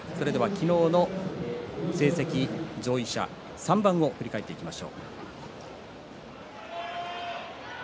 昨日の成績上位者３番を振り返ります。